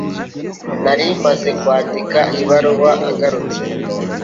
Nari maze kwandika ibaruwa agarutse